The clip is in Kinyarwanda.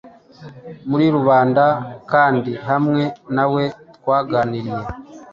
Muri rubanda, kandi hamwe na we twaganiriye